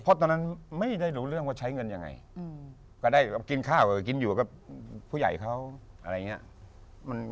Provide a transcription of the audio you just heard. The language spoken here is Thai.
เพราะตอนนั้นไม่ได้รู้เรื่องว่าใช้เงินยังไงก็ได้กินข้าวกินอยู่กับผู้ใหญ่เขาอะไรอย่างนี้